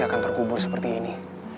akan terkubur seperti ini